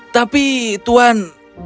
tapi tuhan kemana aku